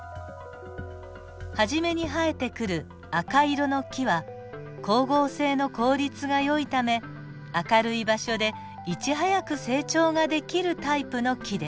初めに生えてくる赤色の木は光合成の効率がよいため明るい場所でいち早く成長ができるタイプの木です。